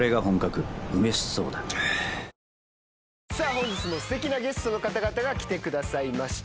本日もすてきなゲストの方々が来てくださいました。